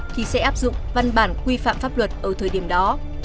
thì sẽ áp dụng văn bản quy phạm pháp luật ở thời điểm đó